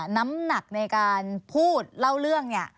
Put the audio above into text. น้ำหนักในการพูดเล่าเรื่องเนี่ย